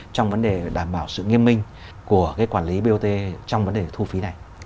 trong vấn đề đảm bảo sự nghiêm minh của quản lý bot trong vấn đề thu phí này